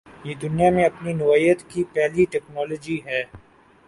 یہ دنیا میں اپنی نوعیت کی پہلی ٹکنالوجی ہے۔